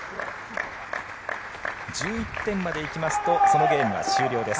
１１点まで行きますとそのゲームは終了です。